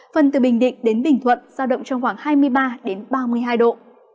phần từ bình định đến bình thuận giao động trong khoảng hai mươi ba đến ba mươi hai độ